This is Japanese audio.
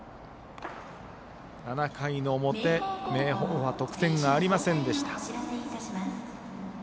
７回の表、明豊は得点がありませんでした。